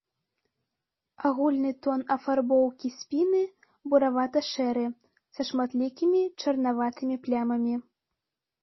Агульны тон афарбоўкі спіны буравата-шэры, са шматлікімі чарнаватымі плямамі.